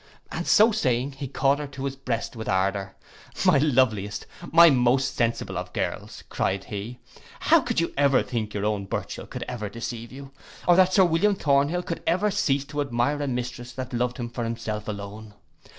And so saying, he caught her to his breast with ardour. 'My loveliest, my most sensible of girls,' cried he, 'how could you ever think your own Burchell could deceive you, or that Sir William Thornhill could ever cease to admire a mistress that loved him for himself alone?